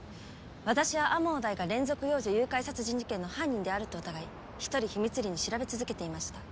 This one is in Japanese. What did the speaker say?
私は天羽大が連続幼女誘拐殺人事件の犯人であると疑い一人秘密裏に調べ続けていました。